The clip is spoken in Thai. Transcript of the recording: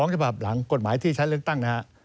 ฉบับหลังกฎหมายที่ใช้เลือกตั้งนะฮะ